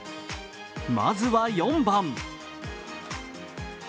まずは、４番。